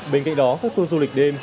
bên cạnh đó các tour du lịch đêm